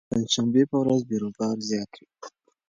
د پنجشنبې په ورځ بېروبار زیات وي.